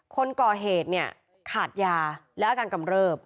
คนก่อเหตุเนี่ยขาดยาและอาการกำเริบ